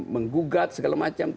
menggugat segala macam